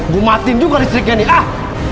gue matiin juga listriknya nih